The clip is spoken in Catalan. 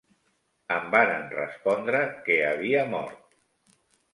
Em varen respondre que havia mort.